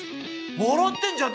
笑ってんじゃん。